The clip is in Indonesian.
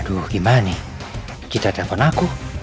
kita tak bisa mencari cari kamar bayinya di ibu